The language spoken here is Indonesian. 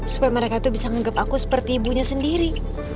supaya mereka tuh bisa nganggep aku seperti ibunya sendiri